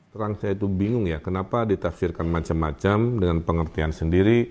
terang saya itu bingung ya kenapa ditafsirkan macam macam dengan pengertian sendiri